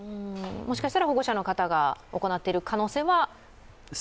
もしかしたら保護者の方が行っている可能性は？